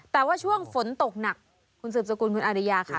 แต่ว่าช่วงฝนตกหนักคุณสืบสกุลคุณอาริยาค่ะ